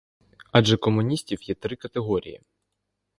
Адже комуністів є три категорії.